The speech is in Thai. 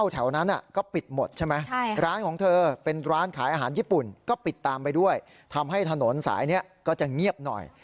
ตามไปด้วยทำให้ถนนสายนี้ก็จะเงียบหน่อย